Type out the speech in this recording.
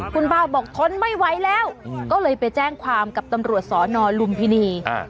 คุณป้าบอกทนไม่ไหวแล้วก็เลยไปแจ้งความกับตำรวจสอนอลุมพินี